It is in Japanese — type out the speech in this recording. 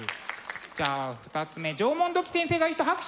じゃあ２つ目「縄文土器先生」がいい人拍手！